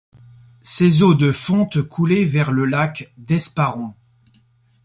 Ses eaux de fonte coulaient vers le lac d'Esparron.